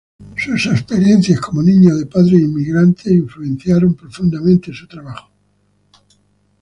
Sus experiencias como niño de padres inmigrantes influenció profundamente su trabajo.